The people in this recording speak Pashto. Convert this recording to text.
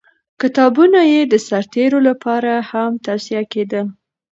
کتابونه یې د سرتېرو لپاره هم توصیه کېدل.